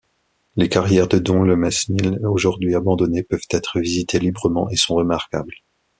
Les carrières de Dom-le-Mesnil, aujourd'hui abandonnées, peuvent être visitées librement et sont remarquables.